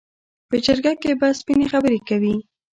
په جرګه کې به سپینې خبرې کوي.